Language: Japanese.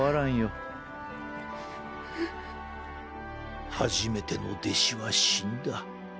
うぅ「初めての弟子は死んだ。